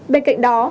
bên cạnh đó